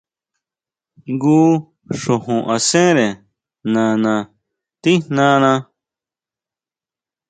Jngu xojon asére nana tijnana.